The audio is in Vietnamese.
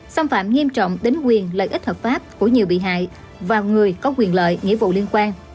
xâm phạm nghiêm trọng đến quyền lợi ích hợp pháp của nhiều bị hại và người có quyền lợi nghĩa vụ liên quan